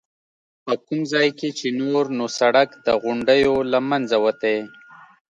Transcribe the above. په کوم ځای کې چې نور نو سړک د غونډیو له منځه وتی.